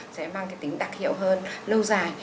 sẽ mang cái tính đặc hiệu hơn lâu dài